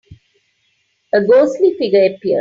A ghostly figure appeared.